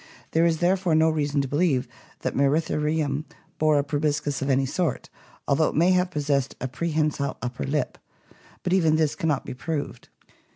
There is therefore no reason to believe that Mceritherium bore a proboscis of any sort, although it may have possessed a prehensile upper lip; but even this cannot be proved.